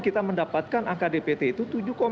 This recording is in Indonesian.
kita mendapatkan angka dpd itu tujuh satu